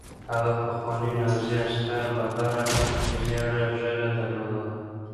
هغه پخواني نازي عسکر ببره زیړه ږیره درلوده